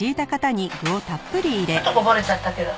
ちょっとこぼれちゃったけど。